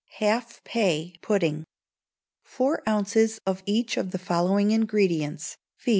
Half Pay Pudding. Four ounces of each of the following ingredients, viz.